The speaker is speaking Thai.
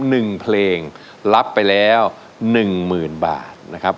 หนึ่งเพลงรับไปแล้วหนึ่งหมื่นบาทนะครับ